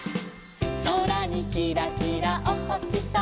「そらにキラキラおほしさま」